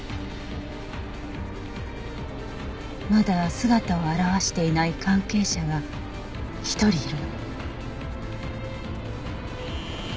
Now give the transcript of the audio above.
まだ姿を現していない関係者が１人いるの。